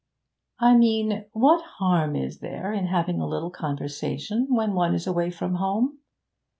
'I mean what harm is there in having a little conversation when one is away from home?